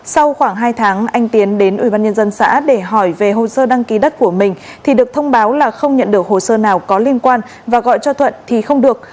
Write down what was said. sau khoảng hai tháng anh tiến đến ubnd xã để hỏi về hồ sơ đăng ký đất của mình thì được thông báo là không nhận được hồ sơ nào có liên quan và gọi cho thuận thì không được